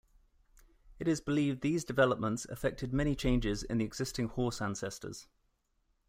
It is believed these developments affected many changes in the existing horse ancestors.